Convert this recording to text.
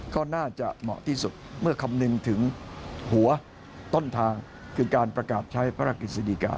ก็น่าจะเหมาะที่สุดเมื่อคำนึงถึงหัวต้นทางคือการประกาศใช้พระราชกฤษฎิกา